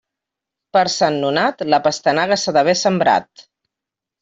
Per Sant Nonat, la pastanaga s'ha d'haver sembrat.